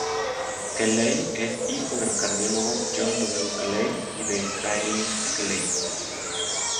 Kelley es hijo del cardiólogo John W. Kelley y de Gayle Kelley.